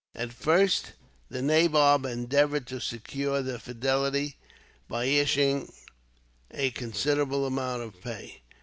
At first, the nabob endeavoured to secure their fidelity by issuing a considerable amount of pay.